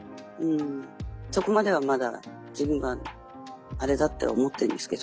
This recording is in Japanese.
そこまではまだ自分はあれだって思ってるんですけど。